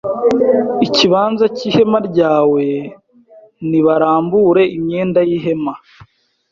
ikibanza cy ihema ryawe Nibarambure imyenda y ihema